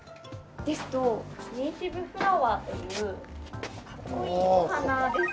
ですとネイティブフラワーっていうかっこいいお花ですね。